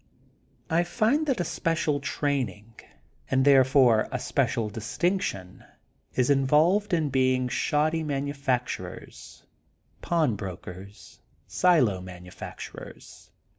I find that a special training, and therefore a special distinction, is involved in being shoddy manufacturers, pawnbrokers, sUo manufacturers.